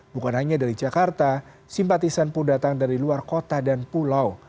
bukan hanya dari jakarta simpatisan pun datang dari luar kota dan pulau